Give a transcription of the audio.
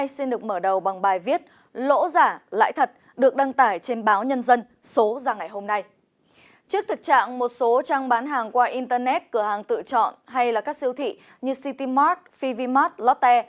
trước thực trạng một số trang bán hàng qua internet cửa hàng tự chọn hay là các siêu thị như citymart fivimart lotte